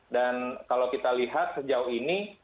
dan kalau kita lihat sejauh ini